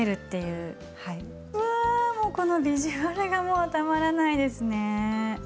うわこのビジュアルがもうたまらないですね。